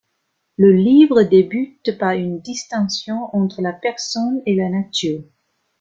Le livre débute par une distinction entre la personne et la nature.